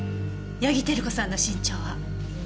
八木照子さんの身長は？